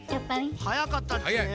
はやかったっちね。